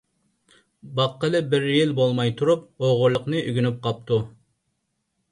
باققىلى بىر يىل بولماي تۇرۇپ، ئوغرىلىقنى ئۆگىنىپ قاپتۇ.